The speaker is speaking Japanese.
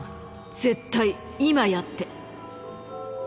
絶対今やって！